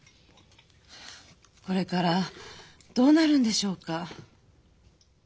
これからどうなるんでしょうか。